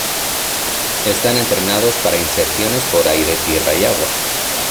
Están entrenados para inserciones por aire, tierra y agua.